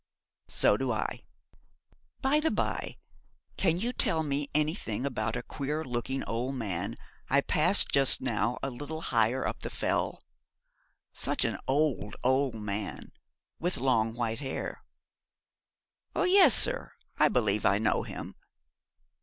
'So do I. By the bye, can you tell me anything about a queer looking old man I passed just now a little higher up the Fell? Such an old, old man, with long white hair.' 'Yes, sir. I believe I know him.'